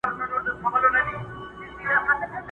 تر پښو لاندي قرار نه ورکاوه مځکي!.